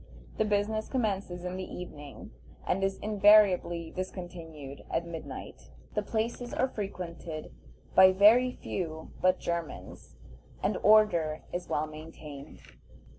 The business commences in the evening, and is invariably discontinued at midnight. The places are frequented by very few but Germans, and order is well maintained.